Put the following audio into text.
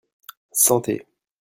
Santé !